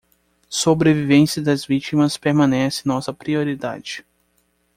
Sobrevivência das vítimas permanece nossa prioridade!